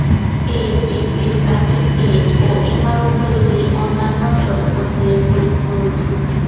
এই ঢিবির প্রাচীন ইট ও ইমারত তৈরির অন্যান্য দ্রব্য দিয়ে পরিপূর্ণ।